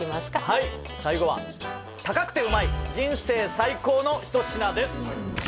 はい最後は高くてうまい人生最高の一品です